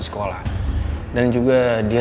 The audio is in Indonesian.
sekolah dan juga dia